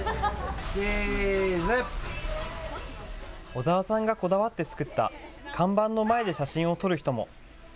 小澤さんがこだわって作った看板の前で写真を撮る人も。